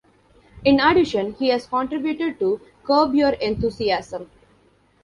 In addition, he's contributed to "Curb Your Enthusiasm".